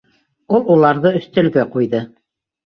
Ул уларҙы өҫтәлгә ҡуйҙы.